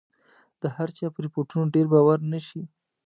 د هرچا په رپوټونو ډېر باور نه شي.